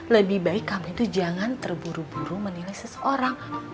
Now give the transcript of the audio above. lebih baik kamu itu jangan terburu buru menilai seseorang